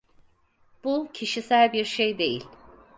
Bu kişisel bir şey değil.